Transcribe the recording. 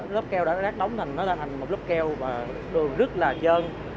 lớp keo đã đóng thành một lớp keo và đường rất là trơn